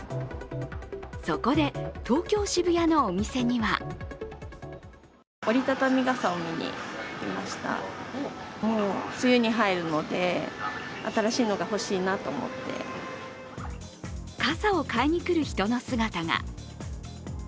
そこで東京・渋谷のお店には傘を買いに来る人の姿が。